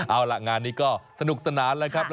เอาล่ะงานนี้ก็สนุกสนานแล้วครับ